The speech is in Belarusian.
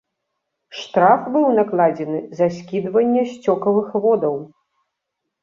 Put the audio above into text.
Штраф быў накладзены за скідванне сцёкавых водаў.